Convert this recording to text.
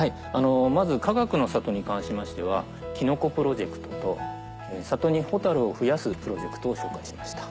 まずかがくの里に関しましてはキノコプロジェクトと里にホタルを増やすプロジェクトを紹介しました。